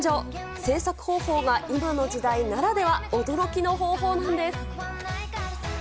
制作方法が今の時代ならでは、驚きの方法なんです。